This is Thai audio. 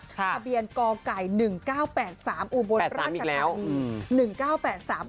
ทะเบียนกไก่๑๙๘๓อุบลราชธานี